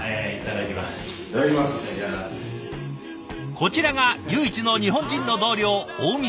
こちらが唯一の日本人の同僚近江さん。